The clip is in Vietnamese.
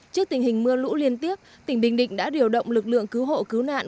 trước tình hình mưa lũ liên tiếp tỉnh bình định đã điều động lực lượng cứu hộ cứu nạn